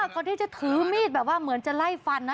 ก่อนที่จะถือมีดแบบว่าเหมือนจะไล่ฟันนะ